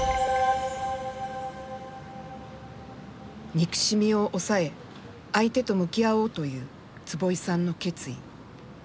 憎しみを抑え、相手と向き合おうという坪井さんの決意。